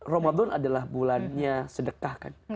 ramadan adalah bulannya sedekah kan